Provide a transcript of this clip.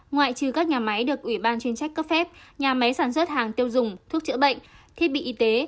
ngoại trừ các nhà máy được ủy ban chuyên trách cấp phép nhà máy sản xuất hàng tiêu dùng thuốc chữa bệnh thiết bị y tế